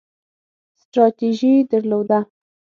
ستراتیژي درلوده